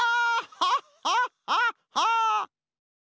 ハッハッハッハッ！